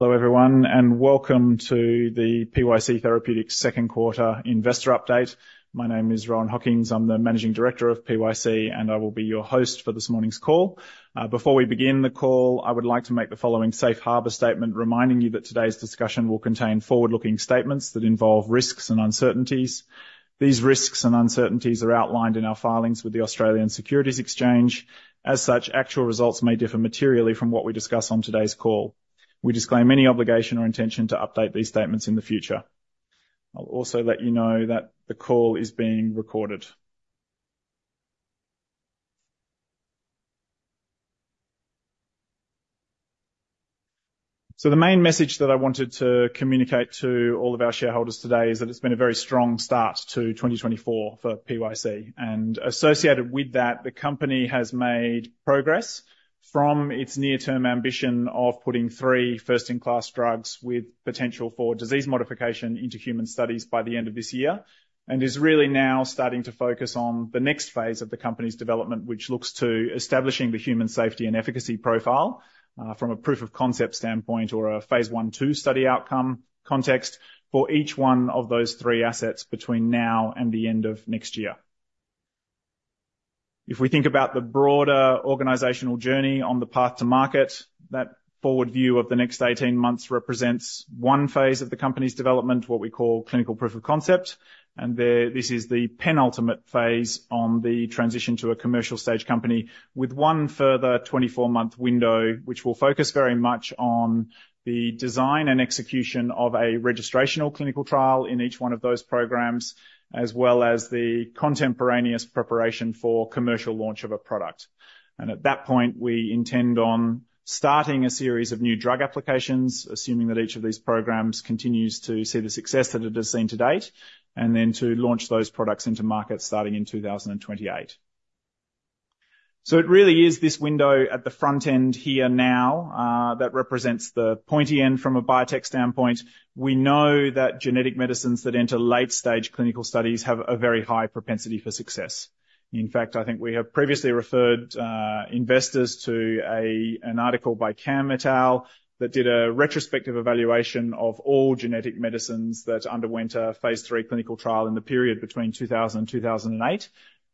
Hello, everyone, and welcome to the PYC Therapeutics second quarter investor update. My name is Rohan Hockings. I'm the Managing Director of PYC, and I will be your host for this morning's call. Before we begin the call, I would like to make the following safe harbor statement, reminding you that today's discussion will contain forward-looking statements that involve risks and uncertainties. These risks and uncertainties are outlined in our filings with the Australian Securities Exchange. As such, actual results may differ materially from what we discuss on today's call. We disclaim any obligation or intention to update these statements in the future. I'll also let you know that the call is being recorded. The main message that I wanted to communicate to all of our shareholders today is that it's been a very strong start to 2024 for PYC. Associated with that, the company has made progress from its near-term ambition of putting three first-in-class drugs with potential for disease modification into human studies by the end of this year. It is really now starting to focus on the next phase of the company's development, which looks to establishing the human safety and efficacy profile from a proof-of-concept standpoint or a phase I/II study outcome context for each one of those three assets between now and the end of next year. If we think about the broader organizational journey on the path to market, that forward view of the next 18 months represents one phase of the company's development, what we call clinical proof of concept, and there, this is the penultimate phase on the transition to a commercial stage company with one further 24-month window, which will focus very much on the design and execution of a registrational clinical trial in each one of those programs, as well as the contemporaneous preparation for commercial launch of a product. And at that point, we intend on starting a series of New Drug Applications, assuming that each of these programs continues to see the success that it has seen to date, and then to launch those products into market starting in 2028. So it really is this window at the front end here now, that represents the pointy end from a biotech standpoint. We know that genetic medicines that enter late-stage clinical studies have a very high propensity for success. In fact, I think we have previously referred, investors to a, an article by Kamm et al, that did a retrospective evaluation of all genetic medicines that underwent a phase III clinical trial in the period between 2000 and 2008,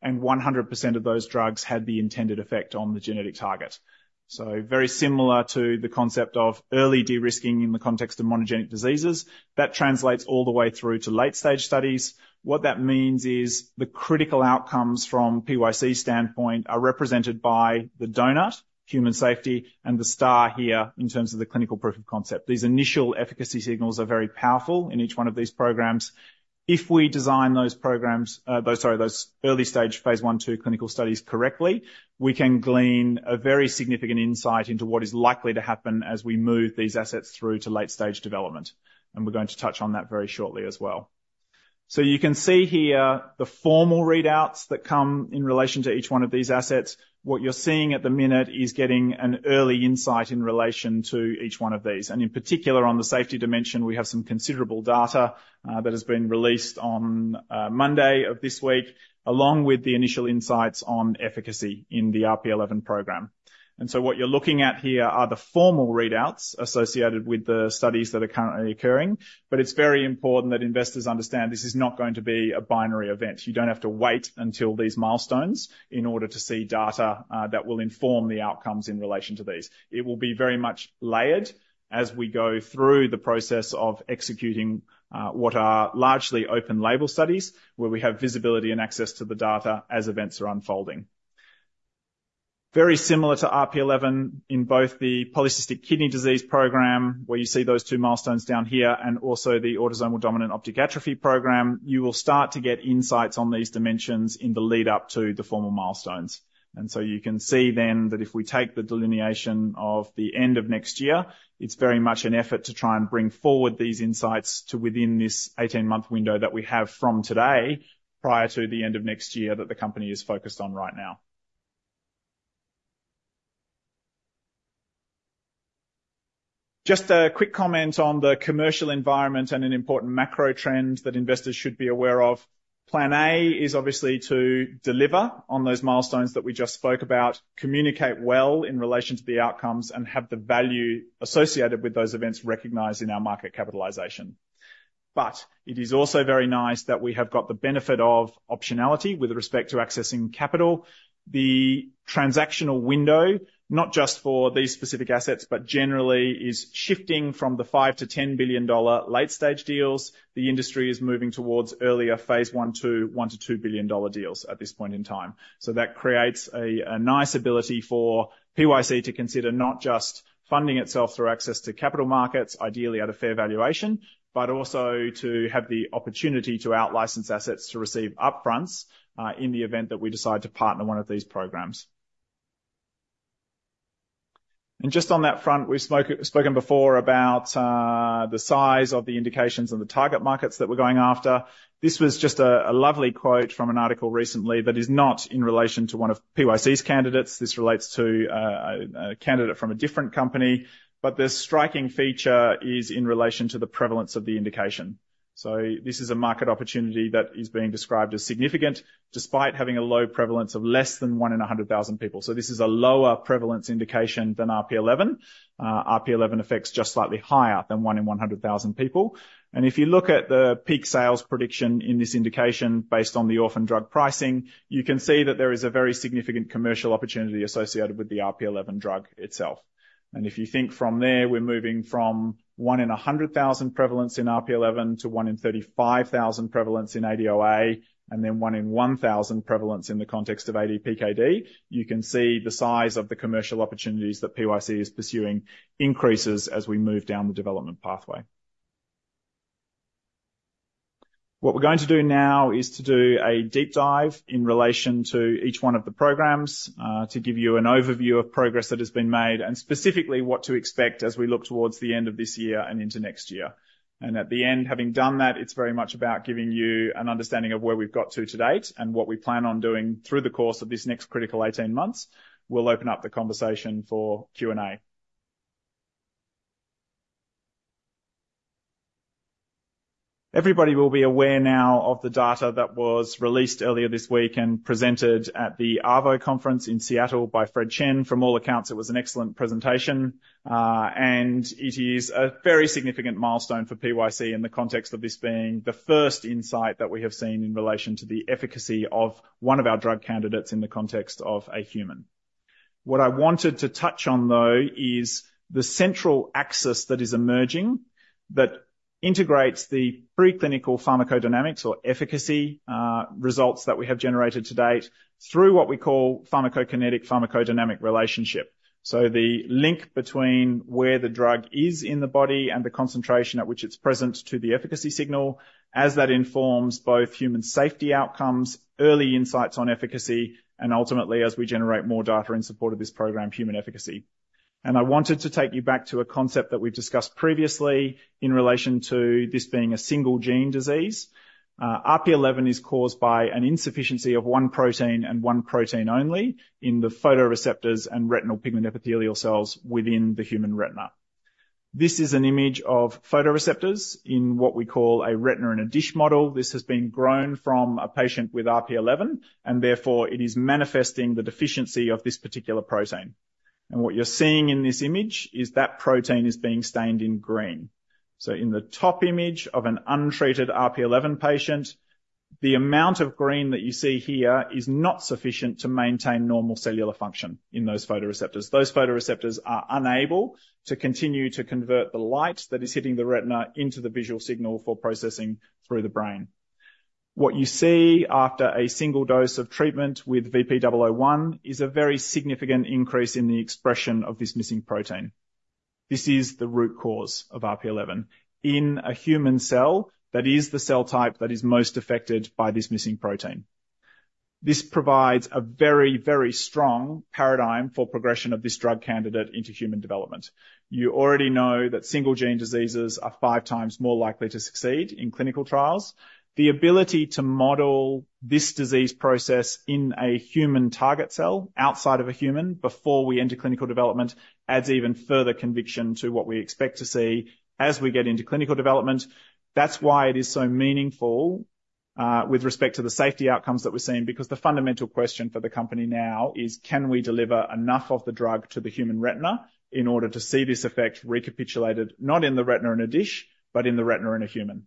and 100% of those drugs had the intended effect on the genetic target. So very similar to the concept of early de-risking in the context of monogenic diseases, that translates all the way through to late-stage studies. What that means is the critical outcomes from PYC standpoint are represented by the donut, human safety, and the star here in terms of the clinical proof of concept. These initial efficacy signals are very powerful in each one of these programs. If we design those early-stage phase I/II clinical studies correctly, we can glean a very significant insight into what is likely to happen as we move these assets through to late-stage development, and we're going to touch on that very shortly as well. So you can see here the formal readouts that come in relation to each one of these assets. What you're seeing at the minute is getting an early insight in relation to each one of these, and in particular, on the safety dimension, we have some considerable data that has been released on Monday of this week, along with the initial insights on efficacy in the RP11 program. And so what you're looking at here are the formal readouts associated with the studies that are currently occurring. But it's very important that investors understand this is not going to be a binary event. You don't have to wait until these milestones in order to see data that will inform the outcomes in relation to these. It will be very much layered as we go through the process of executing what are largely open label studies, where we have visibility and access to the data as events are unfolding. Very similar to RP11, in both the polycystic kidney disease program, where you see those two milestones down here, and also the autosomal dominant optic atrophy program, you will start to get insights on these dimensions in the lead up to the formal milestones. And so you can see then, that if we take the delineation of the end of next year, it's very much an effort to try and bring forward these insights to within this 18-month window that we have from today prior to the end of next year that the company is focused on right now. Just a quick comment on the commercial environment and an important macro trend that investors should be aware of. Plan A is obviously to deliver on those milestones that we just spoke about, communicate well in relation to the outcomes, and have the value associated with those events recognized in our market capitalization. But it is also very nice that we have got the benefit of optionality with respect to accessing capital. The transactional window, not just for these specific assets, but generally, is shifting from the $5 billion-$10 billion late-stage deals. The industry is moving towards earlier phase I/II, $1 billion-$2 billion deals at this point in time. So that creates a nice ability for PYC to consider not just funding itself through access to capital markets, ideally at a fair valuation, but also to have the opportunity to out-license assets to receive up-fronts in the event that we decide to partner one of these programs. And just on that front, we've spoken before about the size of the indications and the target markets that we're going after. This was just a lovely quote from an article recently that is not in relation to one of PYC's candidates. This relates to a candidate from a different company, but the striking feature is in relation to the prevalence of the indication.... So this is a market opportunity that is being described as significant, despite having a low prevalence of less than 1 in 100,000 people. So this is a lower prevalence indication than RP11. RP11 affects just slightly higher than 1 in 100,000 people. And if you look at the peak sales prediction in this indication based on the orphan drug pricing, you can see that there is a very significant commercial opportunity associated with the RP11 drug itself. And if you think from there, we're moving from 1 in 100,000 prevalence in RP11 to 1 in 35,000 prevalence in ADOA, and then 1 in 1,000 prevalence in the context of ADPKD, you can see the size of the commercial opportunities that PYC is pursuing increases as we move down the development pathway. What we're going to do now is to do a deep dive in relation to each one of the programs, to give you an overview of progress that has been made, and specifically, what to expect as we look towards the end of this year and into next year. At the end, having done that, it's very much about giving you an understanding of where we've got to to date and what we plan on doing through the course of this next critical eighteen months. We'll open up the conversation for Q&A. Everybody will be aware now of the data that was released earlier this week and presented at the ARVO conference in Seattle by Fred Chen. From all accounts, it was an excellent presentation, and it is a very significant milestone for PYC in the context of this being the first insight that we have seen in relation to the efficacy of one of our drug candidates in the context of a human. What I wanted to touch on, though, is the central axis that is emerging, that integrates the preclinical pharmacodynamics or efficacy, results that we have generated to date through what we call pharmacokinetic-pharmacodynamic relationship. So the link between where the drug is in the body and the concentration at which it's present to the efficacy signal, as that informs both human safety outcomes, early insights on efficacy, and ultimately, as we generate more data in support of this program, human efficacy. I wanted to take you back to a concept that we've discussed previously in relation to this being a single gene disease. RP11 is caused by an insufficiency of one protein and one protein only in the photoreceptors and retinal pigment epithelial cells within the human retina. This is an image of photoreceptors in what we call a retina-in-a-dish model. This has been grown from a patient with RP11, and therefore, it is manifesting the deficiency of this particular protein. And what you're seeing in this image is that protein is being stained in green. So in the top image of an untreated RP11 patient, the amount of green that you see here is not sufficient to maintain normal cellular function in those photoreceptors. Those photoreceptors are unable to continue to convert the light that is hitting the retina into the visual signal for processing through the brain. What you see after a single dose of treatment with VP-001 is a very significant increase in the expression of this missing protein. This is the root cause of RP11. In a human cell, that is the cell type that is most affected by this missing protein. This provides a very, very strong paradigm for progression of this drug candidate into human development. You already know that single-gene diseases are five times more likely to succeed in clinical trials. The ability to model this disease process in a human target cell, outside of a human, before we enter clinical development, adds even further conviction to what we expect to see as we get into clinical development. That's why it is so meaningful with respect to the safety outcomes that we're seeing, because the fundamental question for the company now is: Can we deliver enough of the drug to the human retina in order to see this effect recapitulated, not in the retina in a dish, but in the retina in a human?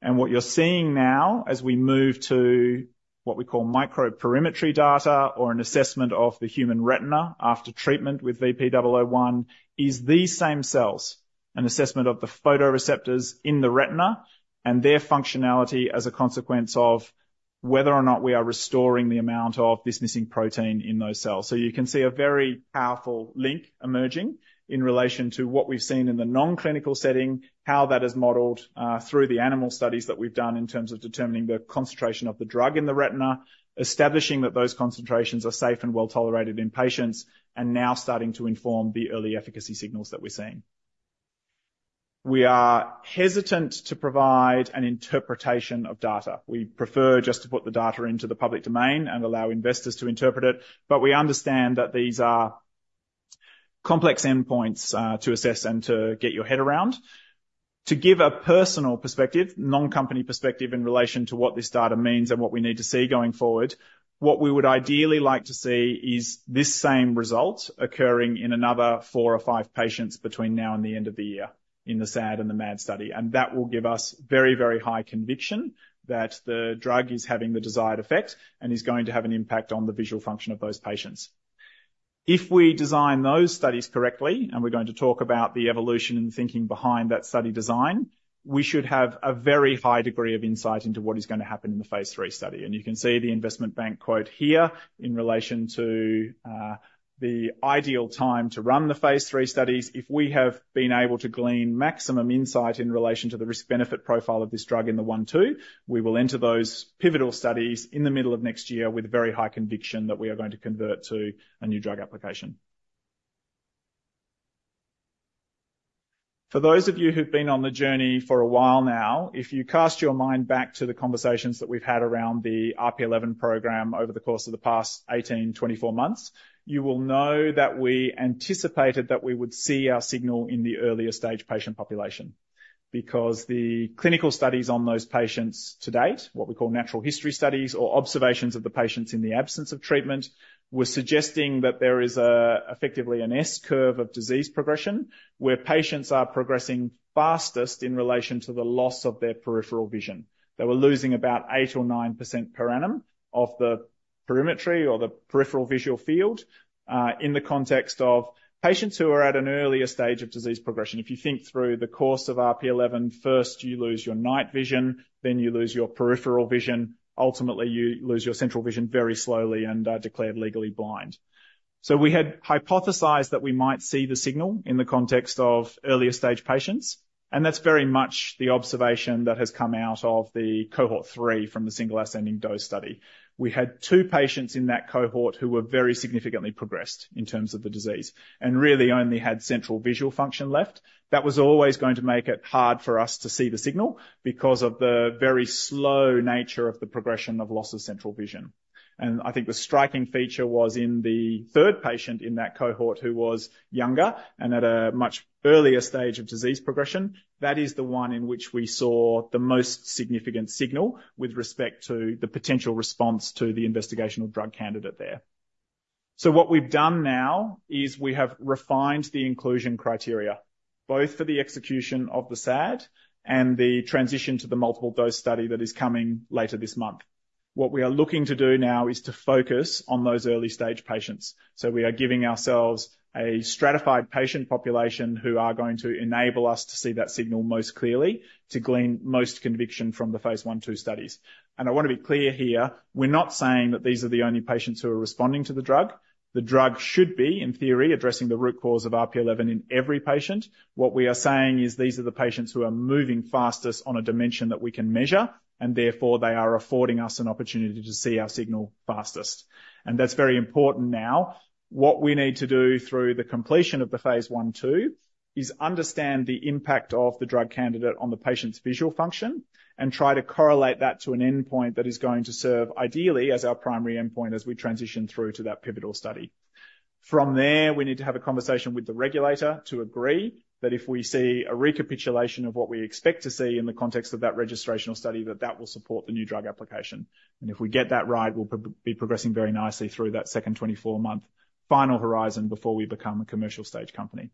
And what you're seeing now, as we move to what we call microperimetry data or an assessment of the human retina after treatment with VP-001, is these same cells, an assessment of the photoreceptors in the retina and their functionality as a consequence of whether or not we are restoring the amount of this missing protein in those cells. So you can see a very powerful link emerging in relation to what we've seen in the non-clinical setting, how that is modeled, through the animal studies that we've done in terms of determining the concentration of the drug in the retina, establishing that those concentrations are safe and well-tolerated in patients, and now starting to inform the early efficacy signals that we're seeing. We are hesitant to provide an interpretation of data. We prefer just to put the data into the public domain and allow investors to interpret it, but we understand that these are complex endpoints, to assess and to get your head around. To give a personal perspective, non-company perspective, in relation to what this data means and what we need to see going forward, what we would ideally like to see is this same result occurring in another four or five patients between now and the end of the year, in the SAD and the MAD study. That will give us very, very high conviction that the drug is having the desired effect and is going to have an impact on the visual function of those patients. If we design those studies correctly, and we're going to talk about the evolution and thinking behind that study design, we should have a very high degree of insight into what is gonna happen in the phase III study. You can see the investment bank quote here in relation to the ideal time to run the phase III studies. If we have been able to glean maximum insight in relation to the risk-benefit profile of this drug in the 1/2, we will enter those pivotal studies in the middle of next year with a very high conviction that we are going to convert to a New Drug Application. For those of you who've been on the journey for a while now, if you cast your mind back to the conversations that we've had around the RP11 program over the course of the past 18, 24 months, you will know that we anticipated that we would see our signal in the earlier stage patient population. Because the clinical studies on those patients to date, what we call natural history studies or observations of the patients in the absence of treatment, were suggesting that there is, effectively an S curve of disease progression, where patients are progressing fastest in relation to the loss of their peripheral vision. They were losing about 8% or 9% per annum of the perimetry or the peripheral visual field, in the context of patients who are at an earlier stage of disease progression. If you think through the course of RP11, first you lose your night vision, then you lose your peripheral vision. Ultimately, you lose your central vision very slowly and are declared legally blind. We had hypothesized that we might see the signal in the context of earlier stage patients, and that's very much the observation that has come out of the cohort three from the single ascending dose study. We had two patients in that cohort who were very significantly progressed in terms of the disease, and really only had central visual function left. That was always going to make it hard for us to see the signal because of the very slow nature of the progression of loss of central vision. I think the striking feature was in the third patient in that cohort who was younger and at a much earlier stage of disease progression. That is the one in which we saw the most significant signal with respect to the potential response to the investigational drug candidate there. So what we've done now is we have refined the inclusion criteria, both for the execution of the SAD and the transition to the multiple dose study that is coming later this month. What we are looking to do now is to focus on those early stage patients. So we are giving ourselves a stratified patient population who are going to enable us to see that signal most clearly, to glean most conviction from the phase I/II studies. And I want to be clear here, we're not saying that these are the only patients who are responding to the drug. The drug should be, in theory, addressing the root cause of RP11 in every patient. What we are saying is these are the patients who are moving fastest on a dimension that we can measure, and therefore, they are affording us an opportunity to see our signal fastest. That's very important now. What we need to do through the completion of the phase I/II is understand the impact of the drug candidate on the patient's visual function and try to correlate that to an endpoint that is going to serve ideally as our primary endpoint as we transition through to that pivotal study. From there, we need to have a conversation with the regulator to agree that if we see a recapitulation of what we expect to see in the context of that registrational study, that that will support the New Drug Application. And if we get that right, we'll be, be progressing very nicely through that second 24-month final horizon before we become a commercial stage company.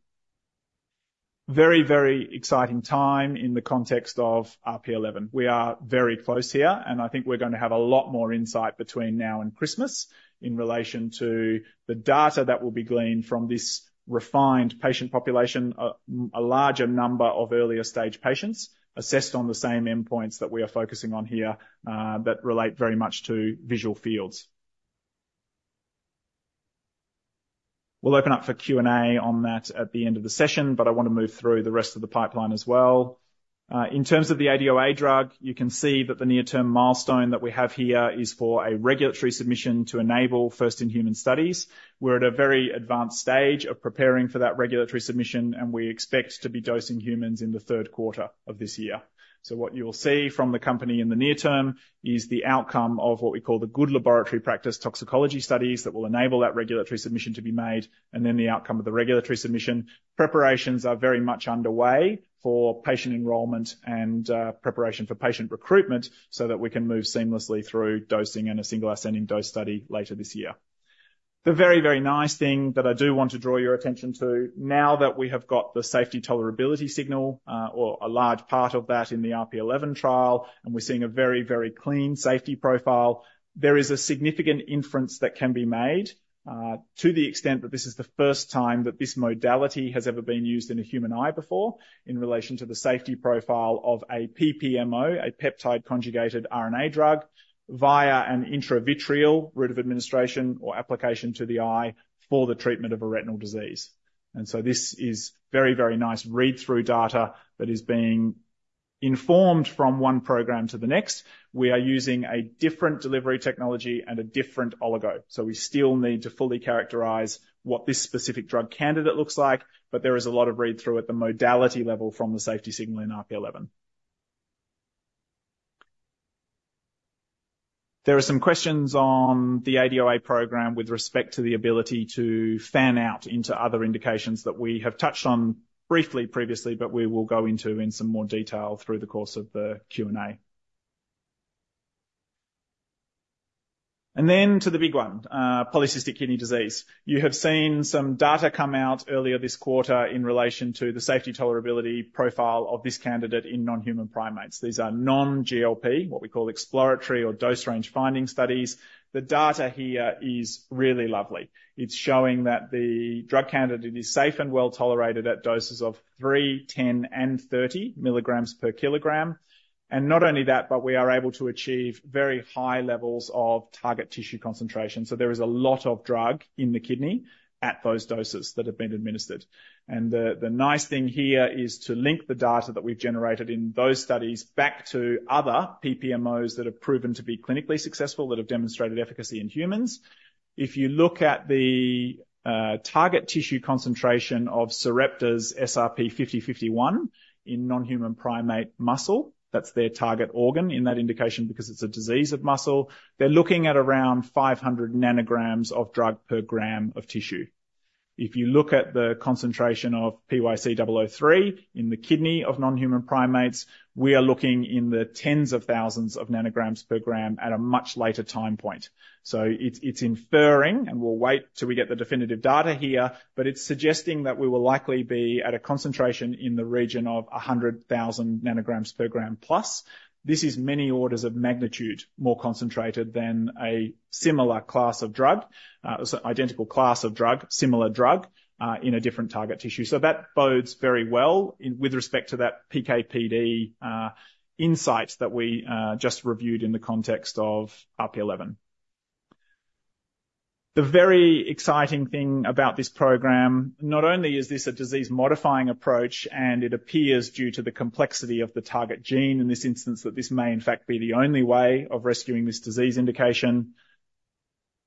Very, very exciting time in the context of RP11. We are very close here, and I think we're going to have a lot more insight between now and Christmas in relation to the data that will be gleaned from this refined patient population, a larger number of earlier stage patients assessed on the same endpoints that we are focusing on here, that relate very much to visual fields. We'll open up for Q&A on that at the end of the session, but I want to move through the rest of the pipeline as well. In terms of the ADOA drug, you can see that the near-term milestone that we have here is for a regulatory submission to enable first-in-human studies. We're at a very advanced stage of preparing for that regulatory submission, and we expect to be dosing humans in the third quarter of this year. What you will see from the company in the near term is the outcome of what we call the Good Laboratory Practice toxicology studies that will enable that regulatory submission to be made, and then the outcome of the regulatory submission. Preparations are very much underway for patient enrollment and preparation for patient recruitment so that we can move seamlessly through dosing in a single ascending dose study later this year. The very, very nice thing that I do want to draw your attention to, now that we have got the safety tolerability signal, or a large part of that in the RP11 trial, and we're seeing a very, very clean safety profile, there is a significant inference that can be made, to the extent that this is the first time that this modality has ever been used in a human eye before, in relation to the safety profile of a PPMO, a peptide-conjugated RNA drug, via an intravitreal route of administration or application to the eye for the treatment of a retinal disease. And so this is very, very nice read-through data that is being informed from one program to the next. We are using a different delivery technology and a different oligo, so we still need to fully characterize what this specific drug candidate looks like, but there is a lot of read-through at the modality level from the safety signal in RP11. There are some questions on the ADOA program with respect to the ability to fan out into other indications that we have touched on briefly previously, but we will go into in some more detail through the course of the Q&A. And then to the big one, polycystic kidney disease. You have seen some data come out earlier this quarter in relation to the safety tolerability profile of this candidate in non-human primates. These are non-GLP, what we call exploratory or dose range finding studies. The data here is really lovely. It's showing that the drug candidate is safe and well tolerated at doses of 3, 10, and 30 mg/kg. And not only that, but we are able to achieve very high levels of target tissue concentration. So there is a lot of drug in the kidney at those doses that have been administered. And the nice thing here is to link the data that we've generated in those studies back to other PPMOs that have proven to be clinically successful, that have demonstrated efficacy in humans. If you look at the target tissue concentration of Sarepta's SRP-5051 in non-human primate muscle, that's their target organ in that indication because it's a disease of muscle. They're looking at around 500 ng of drug per gram of tissue.... If you look at the concentration of PYC-003 in the kidney of non-human primates, we are looking in the tens of thousands of ng per gram at a much later time point. So it's, it's inferring, and we'll wait till we get the definitive data here, but it's suggesting that we will likely be at a concentration in the region of 100,000 ng per gram plus. This is many orders of magnitude more concentrated than a similar class of drug, so identical class of drug, similar drug, in a different target tissue. So that bodes very well in, with respect to that PK/PD insight that we just reviewed in the context of RP11. The very exciting thing about this program, not only is this a disease-modifying approach, and it appears due to the complexity of the target gene, in this instance, that this may in fact be the only way of rescuing this disease indication.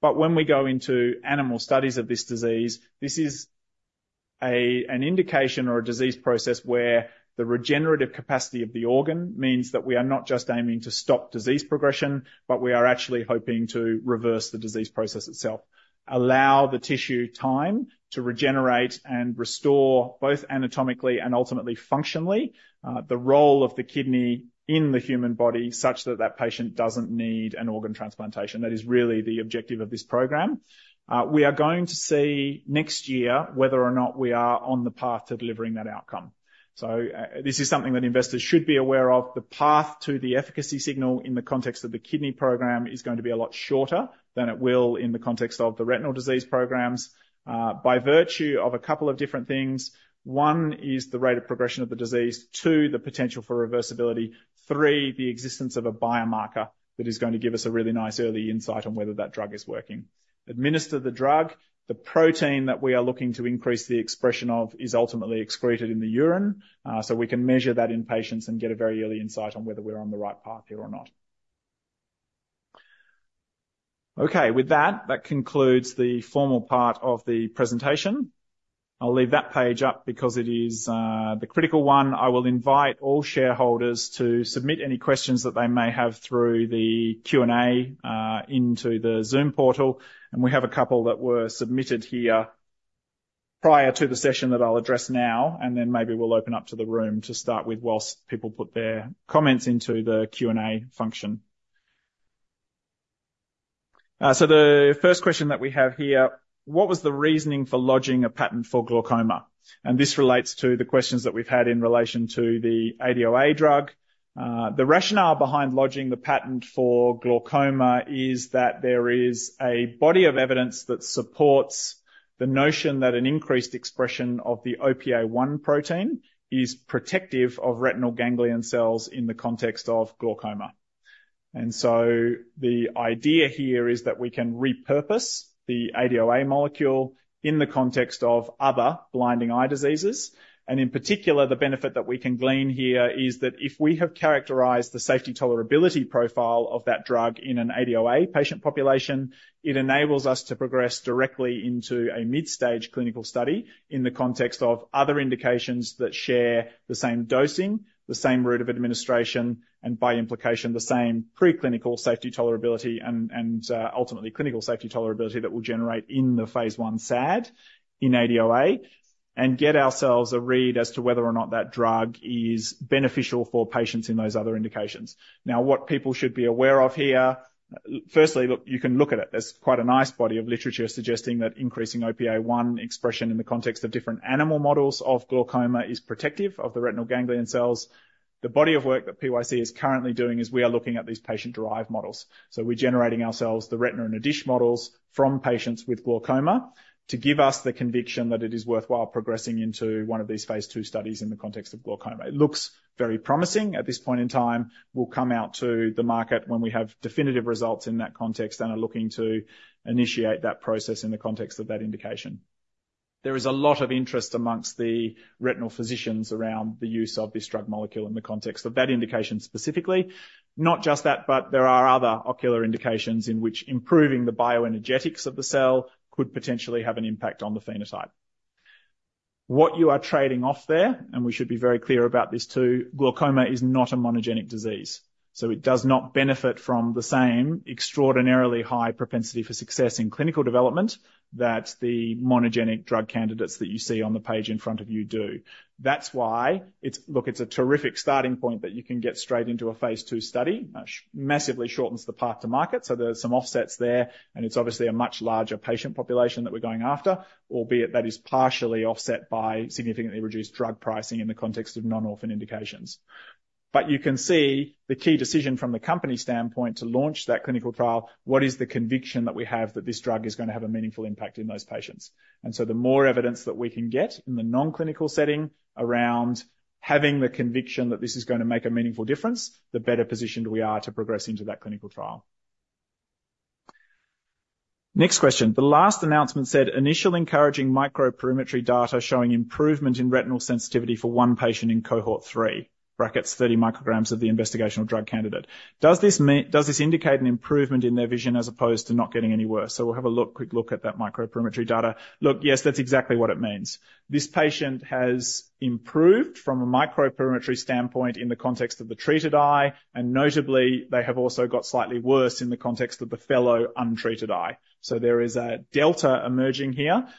But when we go into animal studies of this disease, this is an indication or a disease process where the regenerative capacity of the organ means that we are not just aiming to stop disease progression, but we are actually hoping to reverse the disease process itself. Allow the tissue time to regenerate and restore, both anatomically and ultimately functionally, the role of the kidney in the human body, such that that patient doesn't need an organ transplantation. That is really the objective of this program. We are going to see next year whether or not we are on the path to delivering that outcome. So, this is something that investors should be aware of. The path to the efficacy signal in the context of the kidney program is going to be a lot shorter than it will in the context of the retinal disease programs, by virtue of a couple of different things. One, is the rate of progression of the disease. Two, the potential for reversibility. Three, the existence of a biomarker that is going to give us a really nice early insight on whether that drug is working. Administer the drug, the protein that we are looking to increase the expression of is ultimately excreted in the urine, so we can measure that in patients and get a very early insight on whether we're on the right path here or not. Okay. With that, that concludes the formal part of the presentation. I'll leave that page up because it is, the critical one. I will invite all shareholders to submit any questions that they may have through the Q&A, into the Zoom portal, and we have a couple that were submitted here prior to the session that I'll address now, and then maybe we'll open up to the room to start with, while people put their comments into the Q&A function. So the first question that we have here: What was the reasoning for lodging a patent for glaucoma? And this relates to the questions that we've had in relation to the ADOA drug. The rationale behind lodging the patent for glaucoma is that there is a body of evidence that supports the notion that an increased expression of the OPA1 protein is protective of retinal ganglion cells in the context of glaucoma. And so the idea here is that we can repurpose the ADOA molecule in the context of other blinding eye diseases, and in particular, the benefit that we can glean here is that if we have characterized the safety tolerability profile of that drug in an ADOA patient population, it enables us to progress directly into a midstage clinical study in the context of other indications that share the same dosing, the same route of administration, and by implication, the same preclinical safety tolerability, and ultimately clinical safety tolerability that we'll generate in the phase one SAD in ADOA, and get ourselves a read as to whether or not that drug is beneficial for patients in those other indications. Now, what people should be aware of here, firstly, look, you can look at it as quite a nice body of literature suggesting that increasing OPA1 expression in the context of different animal models of glaucoma is protective of the retinal ganglion cells. The body of work that PYC is currently doing is we are looking at these patient-derived models, so we're generating ourselves the retina-in-a-dish models from patients with glaucoma to give us the conviction that it is worthwhile progressing into one of these phase two studies in the context of glaucoma. It looks very promising at this point in time. We'll come out to the market when we have definitive results in that context, and are looking to initiate that process in the context of that indication. There is a lot of interest among the retinal physicians around the use of this drug molecule in the context of that indication specifically. Not just that, but there are other ocular indications in which improving the bioenergetics of the cell could potentially have an impact on the phenotype. What you are trading off there, and we should be very clear about this, too, glaucoma is not a monogenic disease, so it does not benefit from the same extraordinarily high propensity for success in clinical development, that the monogenic drug candidates that you see on the page in front of you do. That's why it's... Look, it's a terrific starting point that you can get straight into a phase 2 study, massively shortens the path to market, so there are some offsets there, and it's obviously a much larger patient population that we're going after, albeit that is partially offset by significantly reduced drug pricing in the context of non-orphan indications. But you can see the key decision from the company standpoint to launch that clinical trial, what is the conviction that we have that this drug is gonna have a meaningful impact in those patients? And so the more evidence that we can get in the non-clinical setting around having the conviction that this is gonna make a meaningful difference, the better positioned we are to progress into that clinical trial. Next question. The last announcement said, initial encouraging microperimetry data showing improvement in retinal sensitivity for one patient in cohort 3 [30 micrograms of the investigational drug candidate]. Does this mean? Does this indicate an improvement in their vision as opposed to not getting any worse? So we'll have a look, quick look at that microperimetry data. Look, yes, that's exactly what it means. This patient has improved from a microperimetry standpoint in the context of the treated eye, and notably, they have also got slightly worse in the context of the fellow untreated eye. So there is a delta emerging here.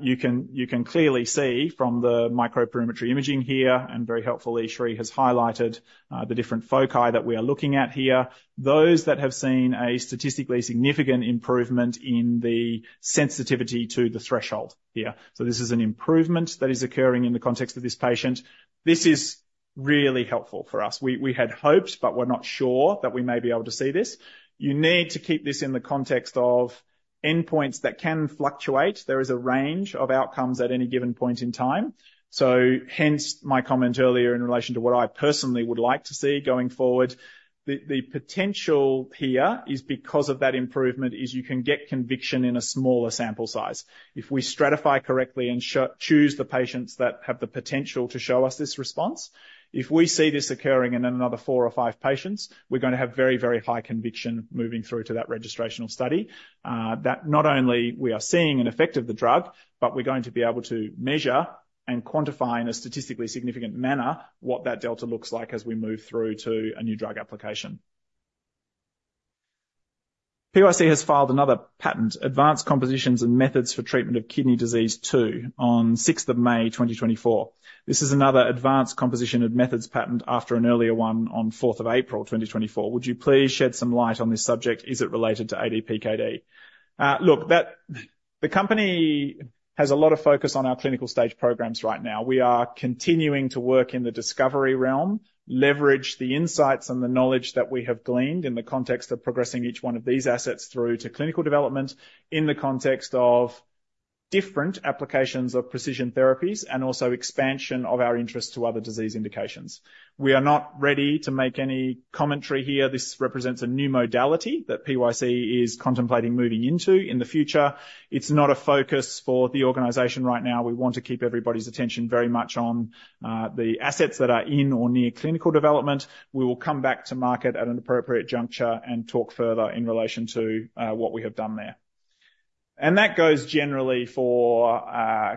You can clearly see from the microperimetry imaging here, and very helpfully, Sri has highlighted the different foci that we are looking at here, those that have seen a statistically significant improvement in the sensitivity to the threshold here. So this is an improvement that is occurring in the context of this patient. This is really helpful for us. We had hoped, but we're not sure that we may be able to see this. You need to keep this in the context of endpoints that can fluctuate. There is a range of outcomes at any given point in time. So hence my comment earlier in relation to what I personally would like to see going forward. The potential here is because of that improvement, is you can get conviction in a smaller sample size. If we stratify correctly and choose the patients that have the potential to show us this response, if we see this occurring in another 4 or 5 patients, we're gonna have very, very high conviction moving through to that registrational study, that not only we are seeing an effect of the drug, but we're going to be able to measure and quantify in a statistically significant manner what that delta looks like as we move through to a New Drug Application. PYC has filed another patent, Advanced Compositions and Methods for Treatment of Kidney Disease 2, on sixth of May, 2024. This is another advanced composition and methods patent after an earlier one on fourth of April, 2024. Would you please shed some light on this subject? Is it related to ADPKD? Look, the company has a lot of focus on our clinical stage programs right now. We are continuing to work in the discovery realm, leverage the insights and the knowledge that we have gleaned in the context of progressing each one of these assets through to clinical development in the context of different applications of precision therapies, and also expansion of our interest to other disease indications. We are not ready to make any commentary here. This represents a new modality that PYC is contemplating moving into in the future. It's not a focus for the organization right now. We want to keep everybody's attention very much on the assets that are in or near clinical development. We will come back to market at an appropriate juncture and talk further in relation to what we have done there. That goes generally for,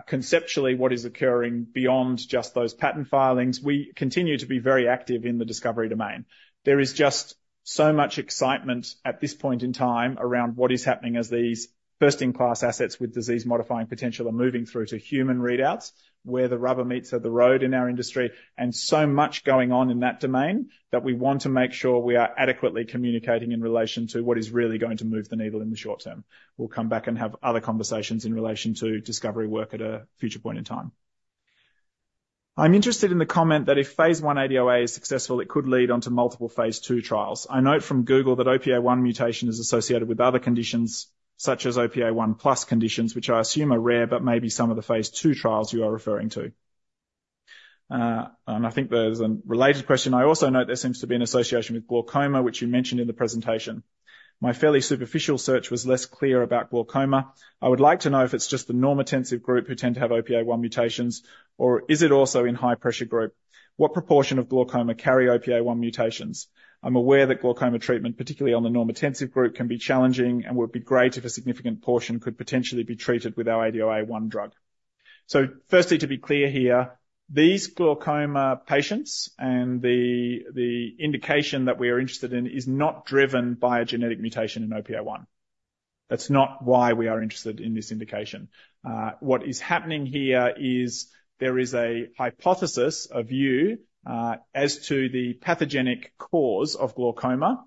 conceptually, what is occurring beyond just those patent filings. We continue to be very active in the discovery domain. There is just so much excitement at this point in time around what is happening as these first-in-class assets with disease-modifying potential are moving through to human readouts, where the rubber meets at the road in our industry, and so much going on in that domain, that we want to make sure we are adequately communicating in relation to what is really going to move the needle in the short term. We'll come back and have other conversations in relation to discovery work at a future point in time. I'm interested in the comment that if phase 1 ADOA is successful, it could lead on to multiple phase 2 trials. I note from Google that OPA1 mutation is associated with other conditions, such as OPA1 plus conditions, which I assume are rare, but may be some of the phase two trials you are referring to. And I think there's a related question. I also note there seems to be an association with glaucoma, which you mentioned in the presentation. My fairly superficial search was less clear about glaucoma. I would like to know if it's just the normotensive group who tend to have OPA1 mutations, or is it also in high pressure group? What proportion of glaucoma carry OPA1 mutations? I'm aware that glaucoma treatment, particularly on the normotensive group, can be challenging and would be great if a significant portion could potentially be treated with our ADOA drug. So firstly, to be clear here, these glaucoma patients and the indication that we are interested in is not driven by a genetic mutation in OPA1. That's not why we are interested in this indication. What is happening here is there is a hypothesis, a view, as to the pathogenic cause of glaucoma,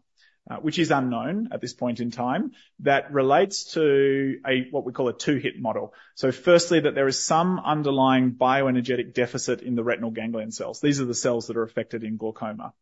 which is unknown at this point in time, that relates to what we call a two-hit model. So firstly, that there is some underlying bioenergetic deficit in the retinal ganglion cells. These are the cells that are affected in glaucoma.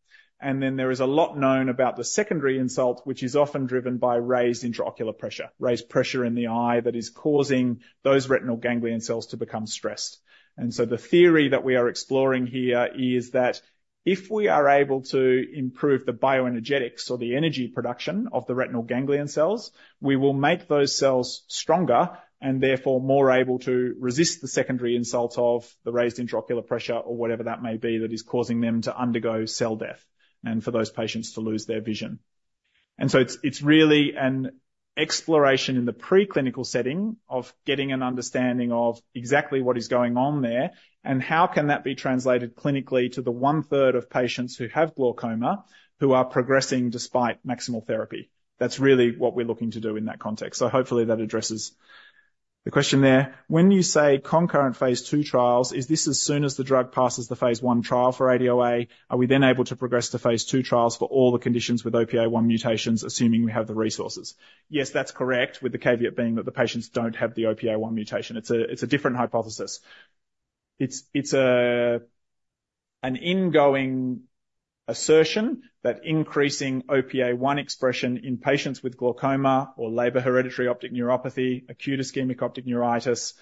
And then there is a lot known about the secondary insult, which is often driven by raised intraocular pressure, raised pressure in the eye that is causing those retinal ganglion cells to become stressed. And so the theory that we are exploring here is that if we are able to improve the bioenergetics or the energy production of the retinal ganglion cells, we will make those cells stronger and therefore more able to resist the secondary insult of the raised intraocular pressure or whatever that may be, that is causing them to undergo cell death, and for those patients to lose their vision. And so it's, it's really an exploration in the preclinical setting of getting an understanding of exactly what is going on there, and how can that be translated clinically to the one-third of patients who have glaucoma, who are progressing despite maximal therapy. That's really what we're looking to do in that context. So hopefully that addresses the question there. When you say concurrent phase 2 trials, is this as soon as the drug passes the phase 1 trial for ADOA, are we then able to progress to phase 2 trials for all the conditions with OPA1 mutations, assuming we have the resources? Yes, that's correct. With the caveat being that the patients don't have the OPA1 mutation. It's a different hypothesis. It's an ongoing assertion that increasing OPA1 expression in patients with glaucoma or Leber hereditary optic neuropathy, acute ischemic optic neuritis,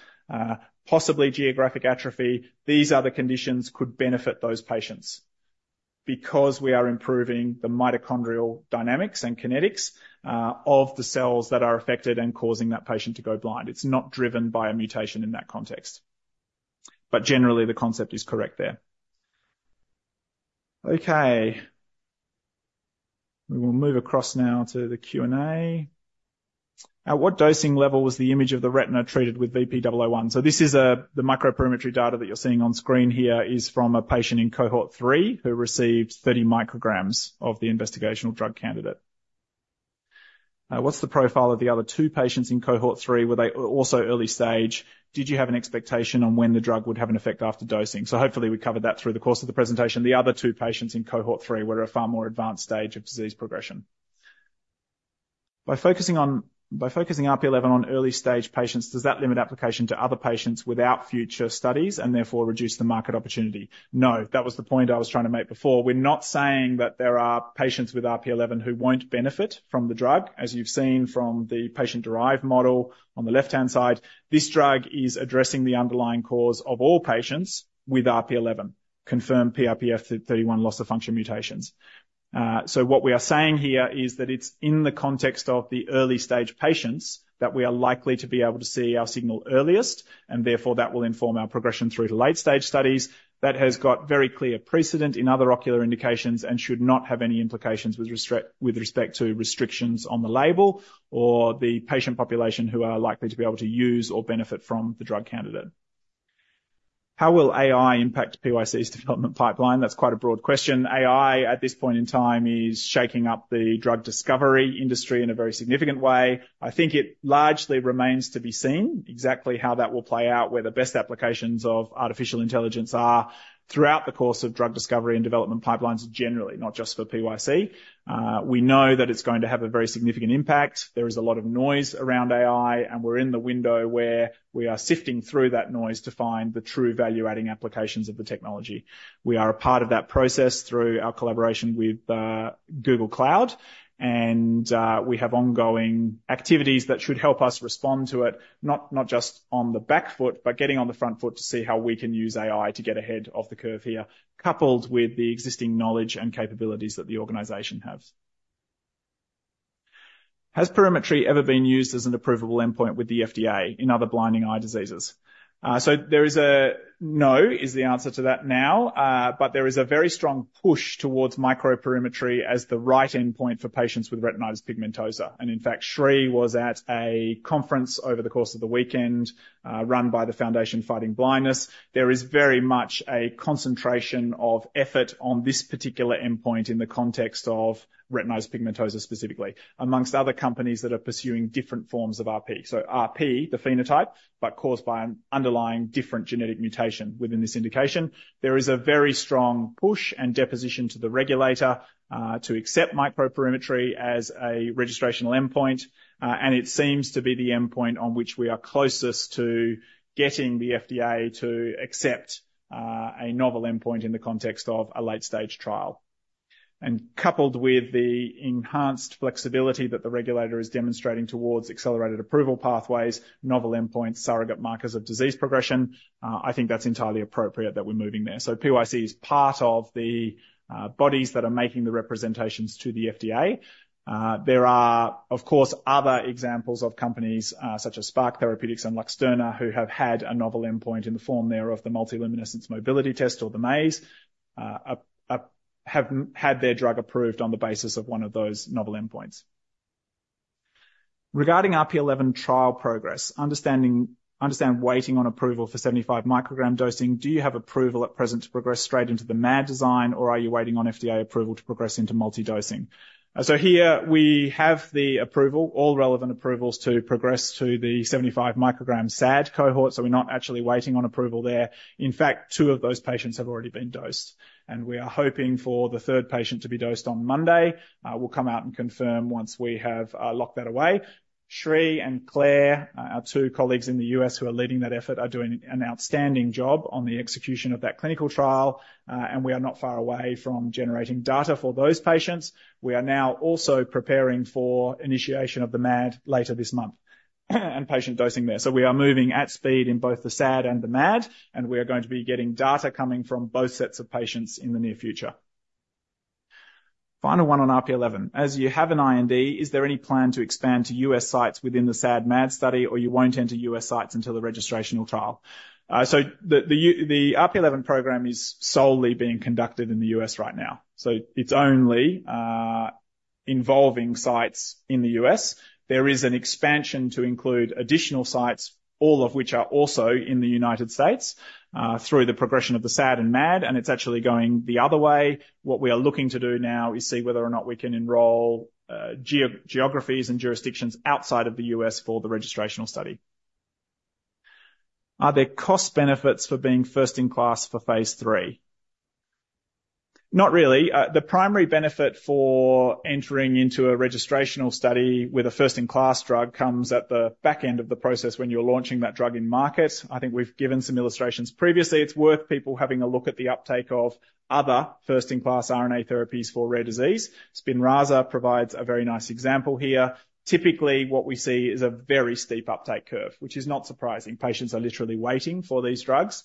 possibly geographic atrophy, these other conditions could benefit those patients. Because we are improving the mitochondrial dynamics and kinetics of the cells that are affected and causing that patient to go blind. It's not driven by a mutation in that context. But generally, the concept is correct there. Okay, we will move across now to the Q&A. What dosing level was the image of the retina treated with VP-001? So this is the microperimetry data that you're seeing on screen here is from a patient in cohort three, who received 30 micrograms of the investigational drug candidate. What's the profile of the other two patients in cohort three? Were they also early stage? Did you have an expectation on when the drug would have an effect after dosing? So hopefully, we covered that through the course of the presentation. The other two patients in cohort three were at a far more advanced stage of disease progression. By focusing RP eleven on early-stage patients, does that limit application to other patients without future studies and therefore reduce the market opportunity? No, that was the point I was trying to make before. We're not saying that there are patients with RP11 who won't benefit from the drug. As you've seen from the patient-derived model on the left-hand side, this drug is addressing the underlying cause of all patients with RP11, confirmed PRPF31 loss of function mutations. So what we are saying here is that it's in the context of the early stage patients that we are likely to be able to see our signal earliest, and therefore that will inform our progression through to late stage studies. That has got very clear precedent in other ocular indications and should not have any implications with respect, with respect to restrictions on the label or the patient population who are likely to be able to use or benefit from the drug candidate. How will AI impact PYC's development pipeline? That's quite a broad question. AI, at this point in time, is shaking up the drug discovery industry in a very significant way. I think it largely remains to be seen exactly how that will play out, where the best applications of artificial intelligence are throughout the course of drug discovery and development pipelines generally, not just for PYC. We know that it's going to have a very significant impact. There is a lot of noise around AI, and we're in the window where we are sifting through that noise to find the true value-adding applications of the technology. We are a part of that process through our collaboration with Google Cloud, and we have ongoing activities that should help us respond to it, not just on the back foot, but getting on the front foot to see how we can use AI to get ahead of the curve here, coupled with the existing knowledge and capabilities that the organization has. Has perimetry ever been used as an approvable endpoint with the FDA in other blinding eye diseases? No, is the answer to that now, but there is a very strong push towards microperimetry as the right endpoint for patients with retinitis pigmentosa. And in fact, Sri was at a conference over the course of the weekend, run by the Foundation Fighting Blindness. There is very much a concentration of effort on this particular endpoint in the context of retinitis pigmentosa, specifically among other companies that are pursuing different forms of RP. So RP, the phenotype, but caused by an underlying different genetic mutation within this indication. There is a very strong push and disposition to the regulator to accept microperimetry as a registrational endpoint. And it seems to be the endpoint on which we are closest to getting the FDA to accept a novel endpoint in the context of a late-stage trial. And coupled with the enhanced flexibility that the regulator is demonstrating towards accelerated approval pathways, novel endpoints, surrogate markers of disease progression, I think that's entirely appropriate that we're moving there. So PYC is part of the bodies that are making the representations to the FDA. There are, of course, other examples of companies, such as Spark Therapeutics and Luxturna, who have had a novel endpoint in the form thereof the Multi-Luminance Mobility Test or the maze, have had their drug approved on the basis of one of those novel endpoints. Regarding RP11 trial progress, understanding waiting on approval for 75 microgram dosing, do you have approval at present to progress straight into the MAD design, or are you waiting on FDA approval to progress into multi-dosing? So here we have the approval, all relevant approvals to progress to the 75 microgram SAD cohort, so we're not actually waiting on approval there. In fact, two of those patients have already been dosed, and we are hoping for the third patient to be dosed on Monday. We'll come out and confirm once we have locked that away. Sri and Claire, our two colleagues in the U.S., who are leading that effort, are doing an outstanding job on the execution of that clinical trial, and we are not far away from generating data for those patients. We are now also preparing for initiation of the MAD later this month, and patient dosing there. So we are moving at speed in both the SAD and the MAD, and we are going to be getting data coming from both sets of patients in the near future. Final one on RP11: As you have an IND, is there any plan to expand to U.S. sites within the SAD, MAD study, or you won't enter U.S. sites until the registrational trial? So the RP11 program is solely being conducted in the U.S. right now, so it's only involving sites in the U.S. There is an expansion to include additional sites, all of which are also in the United States, through the progression of the SAD and MAD, and it's actually going the other way. What we are looking to do now is see whether or not we can enroll, geographies and jurisdictions outside of the U.S. for the registrational study. Are there cost benefits for being first in class for phase III? Not really. The primary benefit for entering into a registrational study with a first-in-class drug comes at the back end of the process when you're launching that drug in market. I think we've given some illustrations previously. It's worth people having a look at the uptake of other first-in-class RNA therapies for rare disease. Spinraza provides a very nice example here. Typically, what we see is a very steep uptake curve, which is not surprising. Patients are literally waiting for these drugs.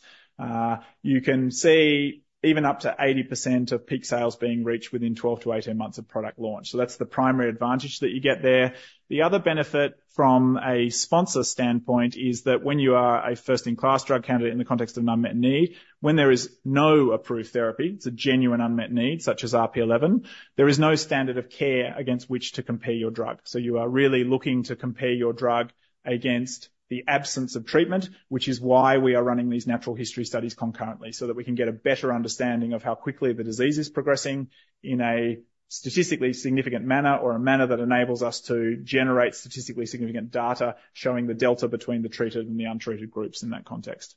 You can see even up to 80% of peak sales being reached within 12-18 months of product launch. So that's the primary advantage that you get there. The other benefit from a sponsor standpoint is that when you are a first-in-class drug candidate in the context of an unmet need, when there is no approved therapy, it's a genuine unmet need, such as RP11. There is no standard of care against which to compare your drug, so you are really looking to compare your drug against the absence of treatment, which is why we are running these natural history studies concurrently, so that we can get a better understanding of how quickly the disease is progressing in a statistically significant manner, or a manner that enables us to generate statistically significant data, showing the delta between the treated and the untreated groups in that context.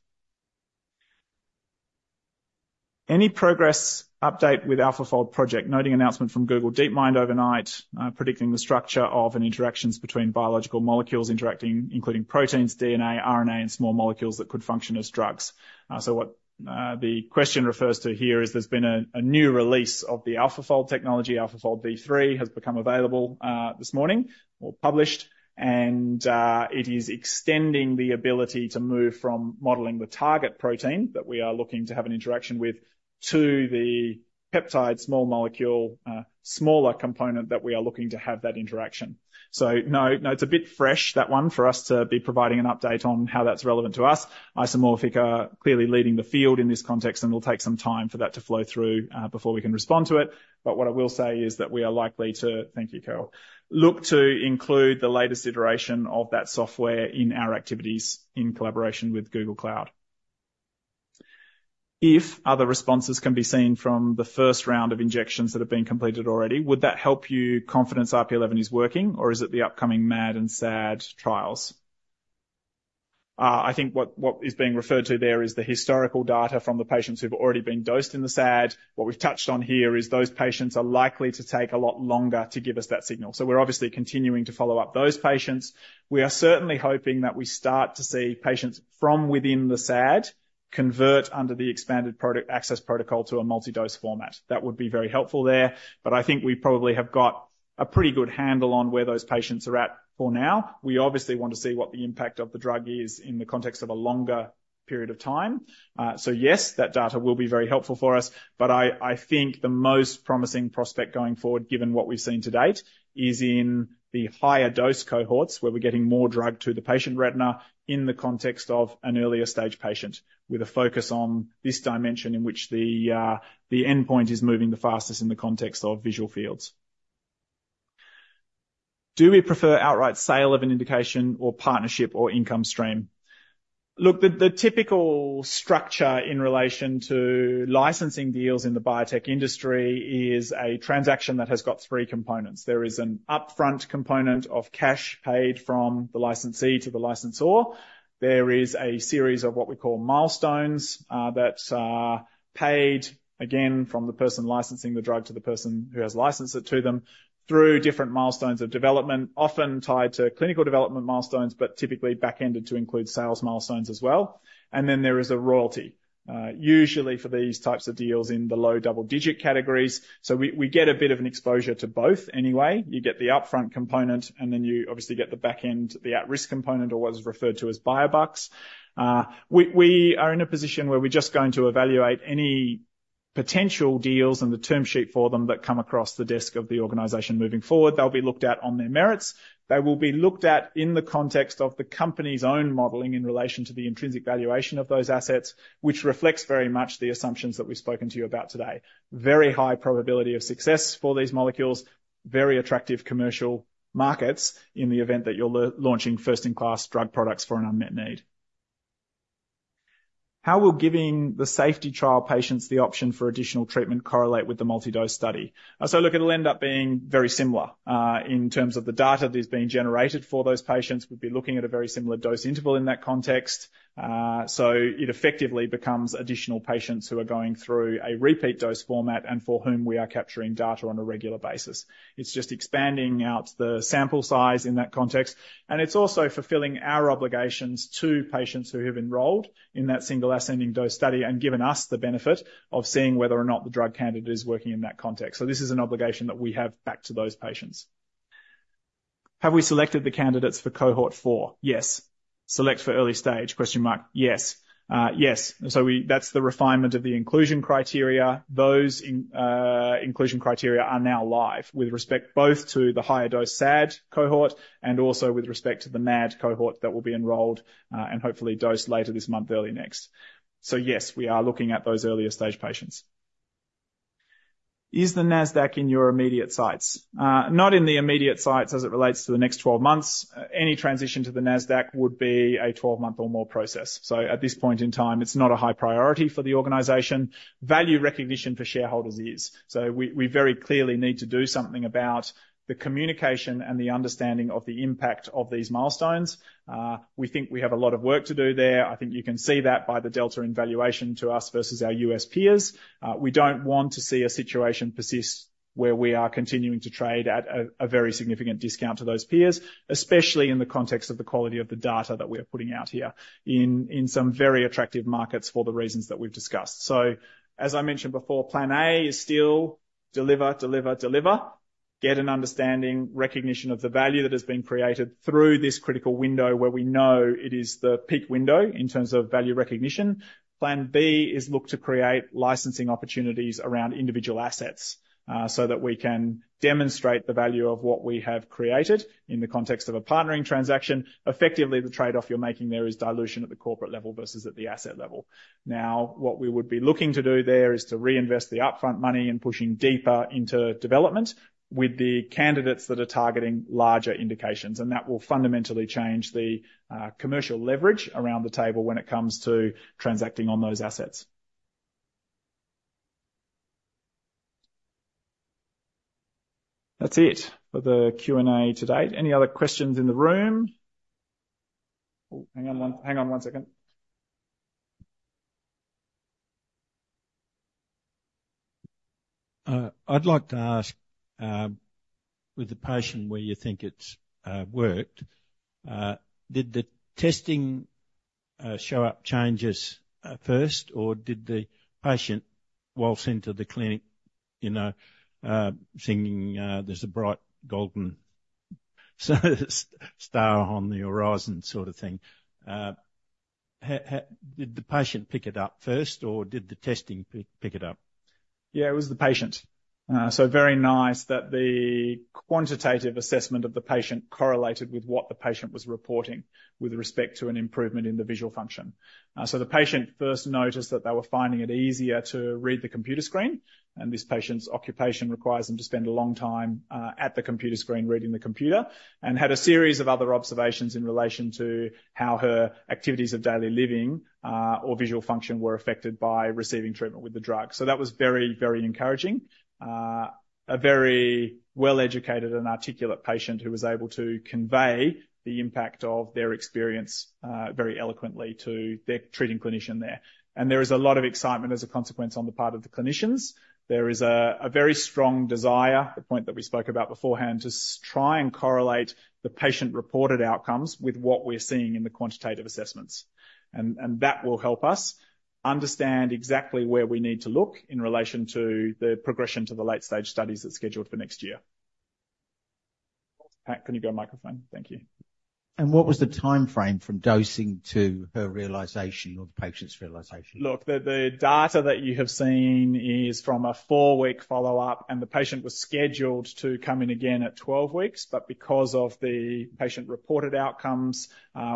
Any progress update with AlphaFold project? Noting announcement from Google DeepMind overnight, predicting the structure of interactions between biological molecules interacting, including proteins, DNA, RNA, and small molecules that could function as drugs. So what the question refers to here is there's been a new release of the AlphaFold technology. AlphaFold V3 has become available, this morning or published, and, it is extending the ability to move from modeling the target protein that we are looking to have an interaction with, to the peptide small molecule, smaller component that we are looking to have that interaction. So no, no, it's a bit fresh, that one, for us to be providing an update on how that's relevant to us. Isomorphic are clearly leading the field in this context, and will take some time for that to flow through, before we can respond to it. But what I will say is that we are likely to... Thank you, Carol. Look to include the latest iteration of that software in our activities in collaboration with Google Cloud. If other responses can be seen from the first round of injections that have been completed already, would that help your confidence RP11 is working, or is it the upcoming MAD and SAD trials? I think what is being referred to there is the historical data from the patients who've already been dosed in the SAD. What we've touched on here is those patients are likely to take a lot longer to give us that signal. So we're obviously continuing to follow up those patients. We are certainly hoping that we start to see patients from within the SAD convert under the expanded product access protocol to a multi-dose format. That would be very helpful there, but I think we probably have got a pretty good handle on where those patients are at for now. We obviously want to see what the impact of the drug is in the context of a longer period of time. So yes, that data will be very helpful for us, but I think the most promising prospect going forward, given what we've seen to date, is in the higher dose cohorts, where we're getting more drug to the patient retina in the context of an earlier stage patient, with a focus on this dimension in which the endpoint is moving the fastest in the context of visual fields. Do we prefer outright sale of an indication or partnership or income stream? Look, the typical structure in relation to licensing deals in the biotech industry is a transaction that has got three components. There is an upfront component of cash paid from the licensee to the licensor. There is a series of what we call milestones that are paid, again, from the person licensing the drug to the person who has licensed it to them through different milestones of development, often tied to clinical development milestones, but typically backended to include sales milestones as well. And then there is a royalty, usually for these types of deals in the low double digit categories. So we get a bit of an exposure to both anyway. You get the upfront component, and then you obviously get the back end, the at-risk component, or what is referred to as bio-bucks. We are in a position where we're just going to evaluate any potential deals and the term sheet for them that come across the desk of the organization moving forward. They'll be looked at on their merits. They will be looked at in the context of the company's own modeling in relation to the intrinsic valuation of those assets, which reflects very much the assumptions that we've spoken to you about today. Very high probability of success for these molecules, very attractive commercial markets in the event that you're launching first-in-class drug products for an unmet need. How will giving the safety trial patients the option for additional treatment correlate with the multi-dose study? So look, it'll end up being very similar. In terms of the data that is being generated for those patients, we'd be looking at a very similar dose interval in that context. So it effectively becomes additional patients who are going through a repeat dose format, and for whom we are capturing data on a regular basis. It's just expanding out the sample size in that context, and it's also fulfilling our obligations to patients who have enrolled in that single ascending dose study and given us the benefit of seeing whether or not the drug candidate is working in that context. So this is an obligation that we have back to those patients. Have we selected the candidates for cohort four? Yes. Select for early stage? Yes. Yes, so we... That's the refinement of the inclusion criteria. Those inclusion criteria are now live with respect both to the higher dose SAD cohort and also with respect to the MAD cohort that will be enrolled, and hopefully dosed later this month, early next. So yes, we are looking at those earlier stage patients... Is the NASDAQ in your immediate sights? Not in the immediate sights as it relates to the next 12 months. Any transition to the NASDAQ would be a 12-month or more process. So at this point in time, it's not a high priority for the organization. Value recognition for shareholders is. So we very clearly need to do something about the communication and the understanding of the impact of these milestones. We think we have a lot of work to do there. I think you can see that by the delta in valuation to us versus our U.S. peers. We don't want to see a situation persist where we are continuing to trade at a very significant discount to those peers, especially in the context of the quality of the data that we are putting out here in some very attractive markets for the reasons that we've discussed. So, as I mentioned before, plan A is still deliver, deliver, deliver. Get an understanding, recognition of the value that has been created through this critical window, where we know it is the peak window in terms of value recognition. Plan B is look to create licensing opportunities around individual assets, so that we can demonstrate the value of what we have created in the context of a partnering transaction. Effectively, the trade-off you're making there is dilution at the corporate level versus at the asset level. Now, what we would be looking to do there is to reinvest the upfront money in pushing deeper into development with the candidates that are targeting larger indications, and that will fundamentally change the, commercial leverage around the table when it comes to transacting on those assets. That's it for the Q&A today. Any other questions in the room? Oh, hang on one second. I'd like to ask, with the patient where you think it's worked, did the testing show up changes first, or did the patient waltz into the clinic, you know, thinking there's a bright golden star on the horizon sort of thing? How did the patient pick it up first, or did the testing pick it up? Yeah, it was the patient. So very nice that the quantitative assessment of the patient correlated with what the patient was reporting with respect to an improvement in the visual function. So the patient first noticed that they were finding it easier to read the computer screen, and this patient's occupation requires them to spend a long time at the computer screen, reading the computer, and had a series of other observations in relation to how her activities of daily living or visual function were affected by receiving treatment with the drug. So that was very, very encouraging. A very well-educated and articulate patient who was able to convey the impact of their experience very eloquently to their treating clinician there. And there is a lot of excitement as a consequence on the part of the clinicians. There is a very strong desire, the point that we spoke about beforehand, to try and correlate the patient-reported outcomes with what we're seeing in the quantitative assessments. And that will help us understand exactly where we need to look in relation to the progression to the late-stage studies that's scheduled for next year. Pat, can you go microphone? Thank you. What was the timeframe from dosing to her realization or the patient's realization? Look, the data that you have seen is from a 4-week follow-up, and the patient was scheduled to come in again at 12 weeks, but because of the patient-reported outcomes,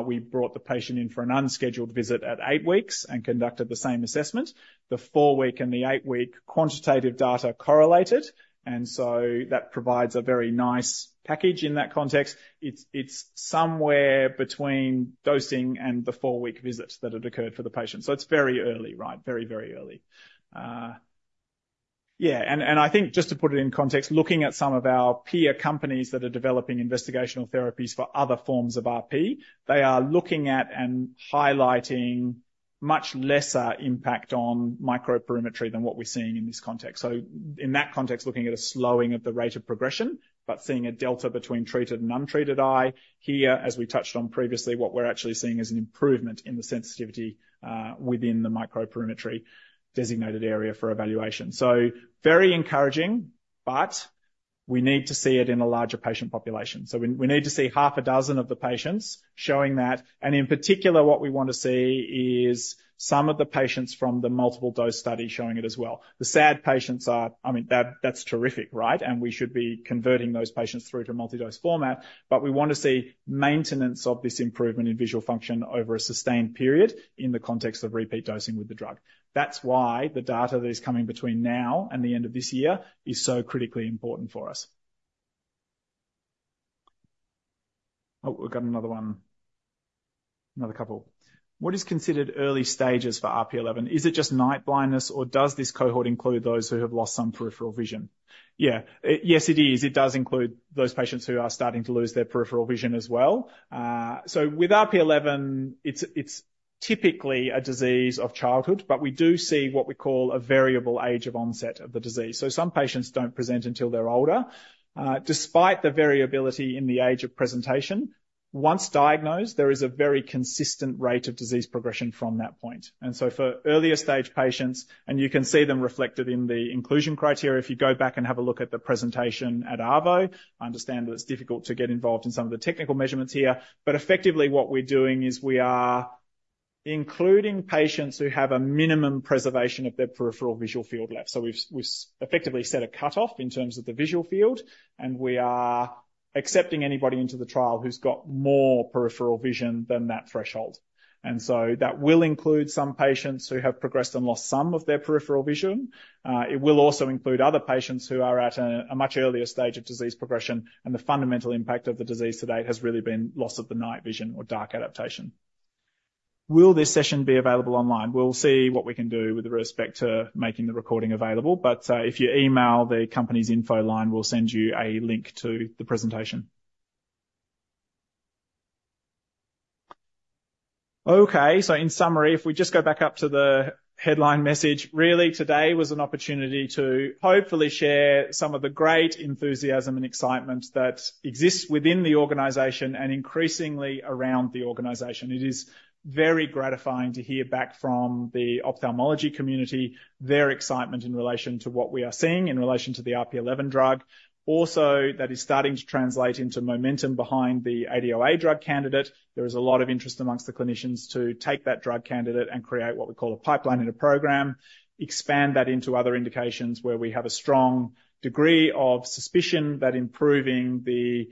we brought the patient in for an unscheduled visit at 8 weeks and conducted the same assessment. The 4-week and the 8-week quantitative data correlated, and so that provides a very nice package in that context. It's somewhere between dosing and the 4-week visit that it occurred for the patient, so it's very early, right? Very, very early. Yeah, and I think just to put it in context, looking at some of our peer companies that are developing investigational therapies for other forms of RP, they are looking at and highlighting much lesser impact on microperimetry than what we're seeing in this context. So in that context, looking at a slowing of the rate of progression, but seeing a delta between treated and untreated eye. Here, as we touched on previously, what we're actually seeing is an improvement in the sensitivity within the microperimetry designated area for evaluation. So very encouraging, but we need to see it in a larger patient population. So we need to see half a dozen of the patients showing that, and in particular, what we want to see is some of the patients from the multiple dose study showing it as well. The SAD patients are... I mean, that, that's terrific, right? And we should be converting those patients through to a multi-dose format. But we want to see maintenance of this improvement in visual function over a sustained period in the context of repeat dosing with the drug. That's why the data that is coming between now and the end of this year is so critically important for us. Oh, we've got another one. Another couple. What is considered early stages for RP11? Is it just night blindness, or does this cohort include those who have lost some peripheral vision? Yeah. Yes, it is. It does include those patients who are starting to lose their peripheral vision as well. So with RP11, it's typically a disease of childhood, but we do see what we call a variable age of onset of the disease, so some patients don't present until they're older. Despite the variability in the age of presentation, once diagnosed, there is a very consistent rate of disease progression from that point. And so for earlier stage patients, and you can see them reflected in the inclusion criteria if you go back and have a look at the presentation at ARVO. I understand that it's difficult to get involved in some of the technical measurements here, but effectively what we're doing is we are including patients who have a minimum preservation of their peripheral visual field left. So we've effectively set a cutoff in terms of the visual field, and we are accepting anybody into the trial who's got more peripheral vision than that threshold. And so that will include some patients who have progressed and lost some of their peripheral vision. It will also include other patients who are at a much earlier stage of disease progression, and the fundamental impact of the disease to date has really been loss of the night vision or dark adaptation. Will this session be available online? We'll see what we can do with respect to making the recording available, but if you email the company's info line, we'll send you a link to the presentation. Okay, so in summary, if we just go back up to the headline message, really, today was an opportunity to hopefully share some of the great enthusiasm and excitement that exists within the organization, and increasingly, around the organization. It is very gratifying to hear back from the ophthalmology community, their excitement in relation to what we are seeing in relation to the RP11 drug. Also, that is starting to translate into momentum behind the ADOA drug candidate. There is a lot of interest amongst the clinicians to take that drug candidate and create what we call a pipeline in a program. Expand that into other indications where we have a strong degree of suspicion that improving the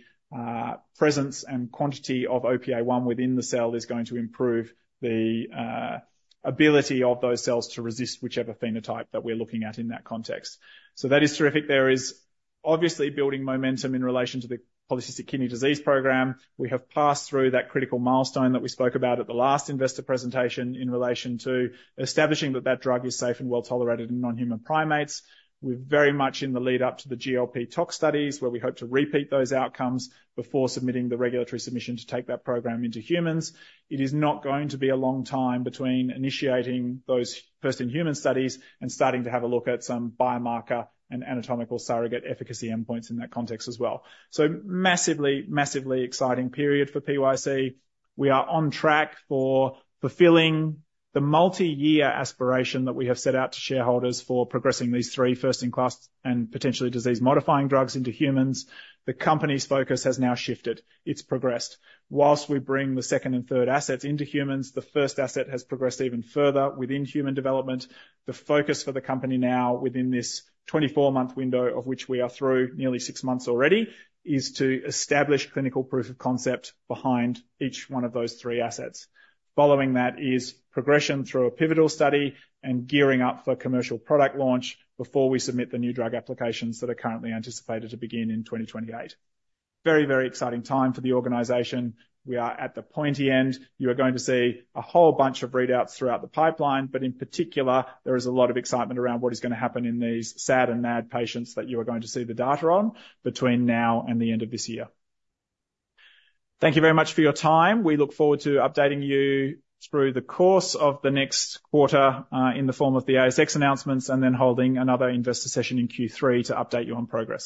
presence and quantity of OPA1 within the cell is going to improve the ability of those cells to resist whichever phenotype that we're looking at in that context. So that is terrific. There is obviously building momentum in relation to the polycystic kidney disease program. We have passed through that critical milestone that we spoke about at the last investor presentation, in relation to establishing that that drug is safe and well-tolerated in non-human primates. We're very much in the lead up to the GLP tox studies, where we hope to repeat those outcomes before submitting the regulatory submission to take that program into humans. It is not going to be a long time between initiating those first-in-human studies, and starting to have a look at some biomarker and anatomical surrogate efficacy endpoints in that context as well. So massively, massively exciting period for PYC. We are on track for fulfilling the multi-year aspiration that we have set out to shareholders for progressing these 3 first-in-class and potentially disease-modifying drugs into humans. The company's focus has now shifted. It's progressed. While we bring the second and third assets into humans, the first asset has progressed even further within human development. The focus for the company now within this 24-month window, of which we are through nearly 6 months already, is to establish clinical proof of concept behind each one of those 3 assets. Following that is progression through a pivotal study and gearing up for commercial product launch before we submit the New Drug Applications that are currently anticipated to begin in 2028. Very, very exciting time for the organization. We are at the pointy end. You are going to see a whole bunch of readouts throughout the pipeline, but in particular, there is a lot of excitement around what is gonna happen in these SAD and MAD patients that you are going to see the data on between now and the end of this year. Thank you very much for your time. We look forward to updating you through the course of the next quarter, in the form of the ASX announcements, and then holding another investor session in Q3 to update you on progress.